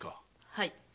はい。